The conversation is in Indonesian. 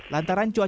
lantaran cuaca buruk